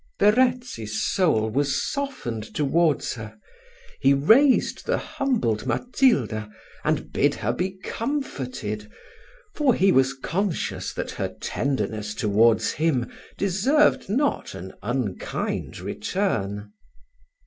Verezzi's soul was softened towards her he raised the humbled Matilda, and bid her be comforted, for he was conscious that her tenderness towards him deserved not an unkind return.